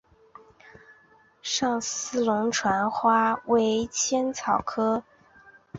上思龙船花为茜草科龙船花属下的一个种。